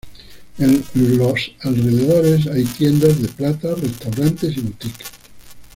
En los alrededores hay tiendas de plata, restaurantes y boutiques.